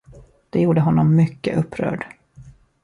Det gjorde honom mycket upprörd.